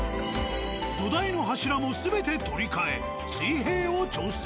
土台の柱も全て取り替え水平を調整。